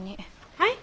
はい？